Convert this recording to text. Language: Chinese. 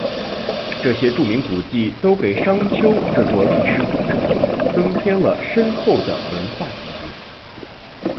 这些著名古迹都给商丘这座历史古城增添了深厚的文化底蕴。